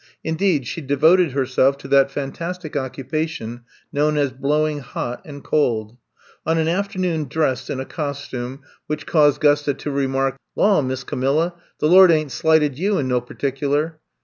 Indeed, she devoted herself to that fantastic occupation known as blowing hot and cold. On an afternoon dressed in a costume 126 I'VE COME TO STAY which caused 'Gusta to remark: Law, Miss Camilla, the Lord ain't slighted you in no particular